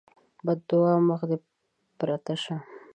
بدعا: مخ دې پرته شه!